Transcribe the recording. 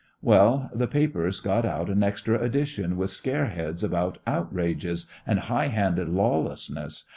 Well, the papers got out an extra edition with scare heads about "Outrages" and "High handed Lawlessness!"